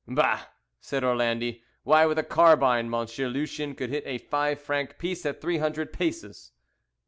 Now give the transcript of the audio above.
"Bah!" said Orlandi; "why, with a carbine, Monsieur Lucien could hit a five franc piece at three hundred paces."